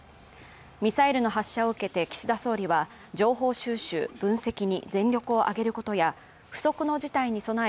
ミサイルの発射を受けて岸田総理は情報収集・分析に全力を挙げることや不測の事態に備え、